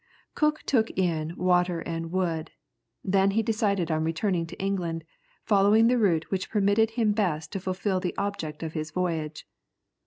Cook took in water and wood; then he decided on returning to England, following the route which permitted him best to fulfil the object of his voyage.